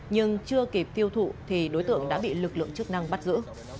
nhưng chưa kịp tiêu thụ thì đối tượng đã bị lực lượng chức năng bắt giữ